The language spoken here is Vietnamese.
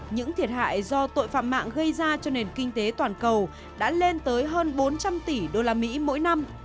những thiệt hại do tội phạm mạng gây ra cho nền kinh tế toàn cầu đã lên tới hơn bốn trăm linh tỷ usd mỗi năm